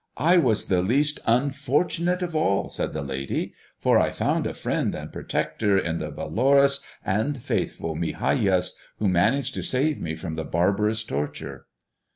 "I was the least unfortunate of all," said the lady, "for I found a friend and protector in the valorous and faithful Migajas, who managed to save me from the barbarous torture."